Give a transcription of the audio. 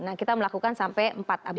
nah kita melakukan sampai empat